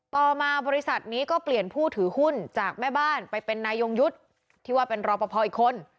ต่อมาบริษัทนี้ก็เปลี่ยนผู้ถือหุ้นจากแม่บ้านไปเป็นนายยงยุทธ์ที่ว่าเป็นรอปภอีกคน